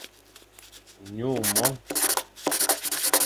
Nyu mon.